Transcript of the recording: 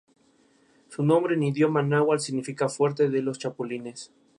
Lenguajes, entornos y herramientas de Inteligencia Artificial.